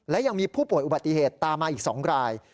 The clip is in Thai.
และยังมีผู้ป่วยอุบัติเหตุตามมาอีก๒ราย